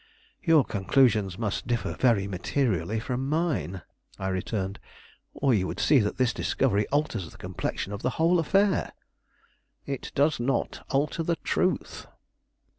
"Your conclusions must differ very materially from mine," I returned; "or you would see that this discovery alters the complexion of the whole affair." "It does not alter the truth."